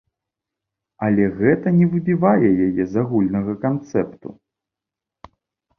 Але гэта не выбівае яе з агульнага канцэпту.